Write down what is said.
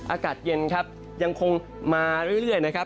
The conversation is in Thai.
อากาศเย็นครับยังคงมาเรื่อยนะครับ